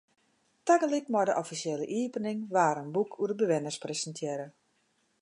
Tagelyk mei de offisjele iepening waard in boek oer de bewenners presintearre.